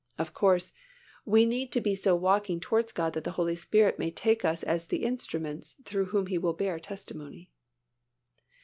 Of course, we need to be so walking towards God that the Holy Spirit may take us as the instruments through whom He will bear His testimony.